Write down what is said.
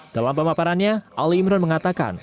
dalam pemaparannya ali imron mengatakan